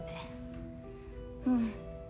うん。